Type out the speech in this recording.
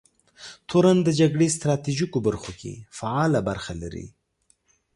تورن د جګړې ستراتیژیکو برخو کې فعاله برخه لري.